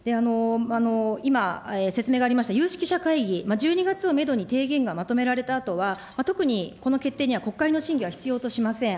今、説明がありました有識者会議、１２月をメドに提言がまとめられたあとは、特にこの決定には、国会の審議は必要としません。